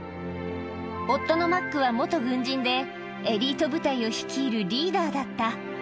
夫のマックは元軍人で、エリート部隊を率いるリーダーだった。